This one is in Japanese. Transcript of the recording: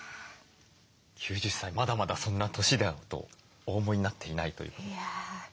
９０歳まだまだそんな年だとお思いになっていないということで。